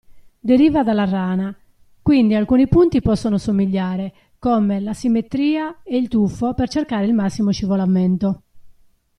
Deriva dalla rana, quindi alcuni punti possono somigliare, come la simmetria e il tuffo per cercare il massimo scivolamento.